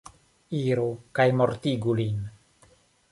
Iru kaj mortigu lin.